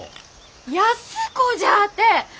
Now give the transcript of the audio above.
安子じゃあてえ！